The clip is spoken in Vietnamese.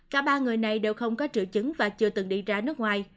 cả ba người này đều không có triệu chứng và chưa từng đi ra nước ngoài